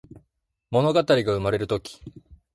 ものがたりがうまれるとき